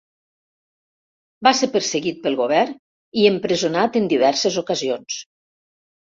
Va ser perseguit pel govern i empresonat en diverses ocasions.